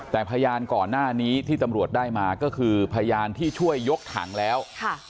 แต่พยานก่อนหน้านี้ที่ตำรวจได้มาก็คือพยานที่ช่วยยกถังแล้ว